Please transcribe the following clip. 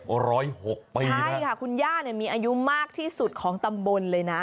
ร้อยหกปีใช่ค่ะคุณย่าเนี่ยมีอายุมากที่สุดของตำบลเลยนะ